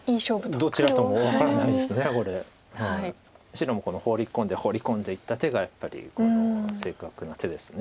白もホウリ込んでホウリ込んでいった手がやっぱり正確な手です。